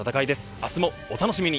明日もお楽しみに。